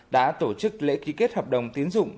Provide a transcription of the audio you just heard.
đã tổ chức lễ ký kết hợp đồng tiến dụng